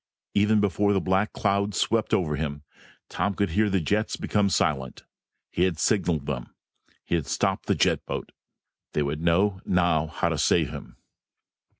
Even before the black cloud swept over him, Tom could hear the jets become silent. He had signaled them. He had stopped the jet boat. They would know, now, how to save him.